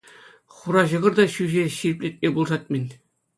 Хура ҫӑкӑр та ҫӳҫе ҫирӗплетме пулӑшать-мӗн.